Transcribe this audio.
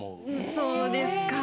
そうですか。